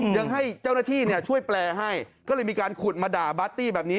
ยังให้เจ้าหน้าที่ช่วยแปลให้ก็เลยมีการขุดมาด่าปาร์ตี้แบบนี้